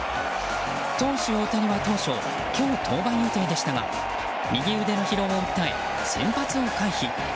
投手・大谷は当初、今日登板予定でしたが右腕の疲労を訴え先発を回避。